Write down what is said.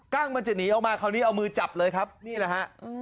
ั้งมันจะหนีออกมาคราวนี้เอามือจับเลยครับนี่แหละฮะ